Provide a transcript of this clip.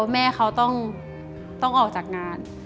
แม่เขาต้องออกจากงาน